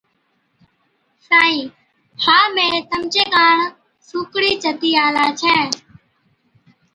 سائِين، ها مين تمچي ڪاڻ سُوکڙِي چتِي آلا ڇَين۔